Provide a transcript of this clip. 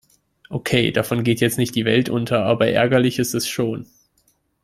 Okay, davon geht jetzt nicht die Welt unter, aber ärgerlich ist es schon.